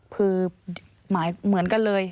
คือเหมือนกันเลย